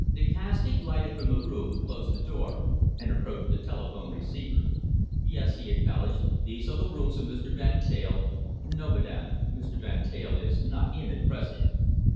Nikasti glided from the room, closed the door, and approached the telephone receiver. "Yes," he acknowledged, "these are the rooms of Mr. Van Teyl... No, madam, Mr. Van Teyl is not in at present."